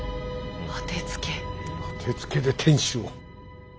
当てつけで天守を！